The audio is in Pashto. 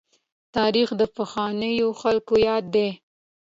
تاريخ د پخوانیو خلکو ياد دی.